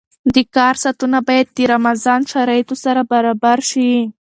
د کار ساعتونه باید د رمضان شرایطو سره برابر شي.